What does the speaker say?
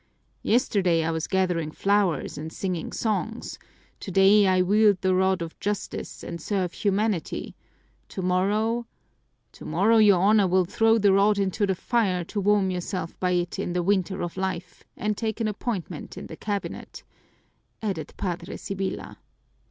Yesterday I was gathering flowers and singing songs, today I wield the rod of justice and serve Humanity, tomorrow " "Tomorrow your Honor will throw the rod into the fire to warm yourself by it in the winter of life, and take an appointment in the cabinet," added Padre Sibyla.